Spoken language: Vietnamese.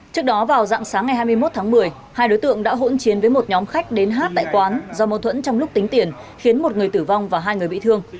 trước đó vào dạng sáng ngày hai mươi một tháng một mươi hai đối tượng đã hỗn chiến với một nhóm khách đến hát tại quán do mâu thuẫn trong lúc tính tiền khiến một người tử vong và hai người bị thương